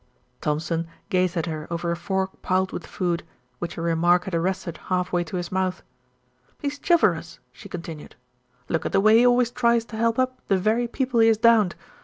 Thompson gazed at her over a fork piled with food, which her remark had arrested half way to his mouth. "He's chivalrous," she continued. "Look at the way he always tries to help up the very people he has downed.